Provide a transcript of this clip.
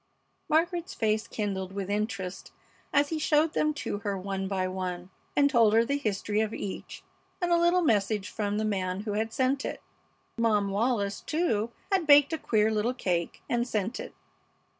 Margaret's face kindled with interest as he showed them to her one by one, and told her the history of each and a little message from the man who had sent it. Mom Wallis, too, had baked a queer little cake and sent it.